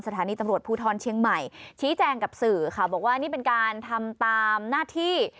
สถานีตำรวจภูทรเชียงใหม่ชี้แจงกับสื่อค่ะบอกว่านี่เป็นการทำตามหน้าที่